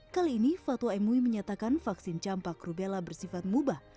kali ini fatwa mui menyatakan vaksin campak rubella bersifat mubah